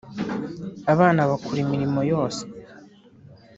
abana bakora imirimo yose